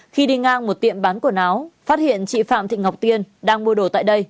khi đi ngang một tiệm bán quần áo phát hiện chị phạm thị ngọc tiên đang mua đồ tại đây